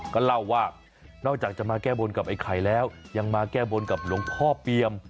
ก็เล่าว่านอกจากจะมาแก้บนกับไอ้ไข่แล้วยังมาแก้บนกับหลวงพ่อเปียม